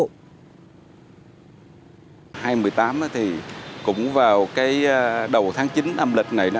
năm hai nghìn một mươi tám cũng vào đầu tháng chín âm lịch này